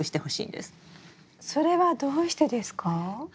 それはどうしてですか？